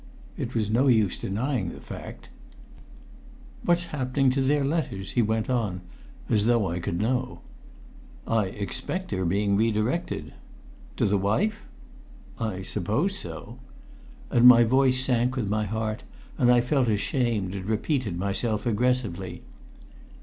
It was no use denying the fact. "What's happening to their letters?" he went on, as though I could know. "I expect they're being re directed." "To the wife?" "I suppose so." And my voice sank with my heart, and I felt ashamed, and repeated myself aggressively.